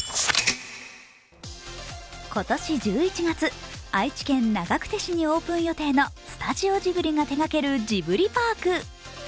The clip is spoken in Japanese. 今年１１月、愛知県長久手市にオープン予定のスタジオジブリが手がけるジブリパーク。